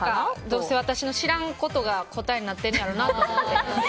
どうせ私の知らんことが答えになってるんだろうなと。